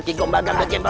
kikung bagang kejempo